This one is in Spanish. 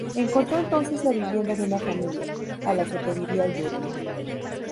Encontró entonces la vivienda de una familia, a la que pediría ayuda.